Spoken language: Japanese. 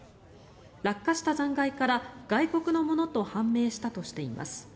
落下した残骸から、外国のものと判明したとしています。